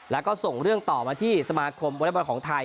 แล้วก็ส่งเรื่องต่อมาที่สมาคมวอเล็กบอลของไทย